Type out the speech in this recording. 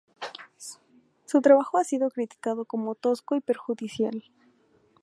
Su trabajo ha sido criticado como tosco y perjudicial.